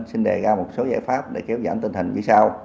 xin đề ra một số giải pháp để kéo giảm tình hình như sau